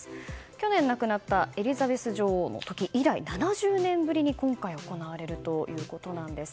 去年亡くなったエリザベス女王の時以来７０年ぶりに今回行われるということです。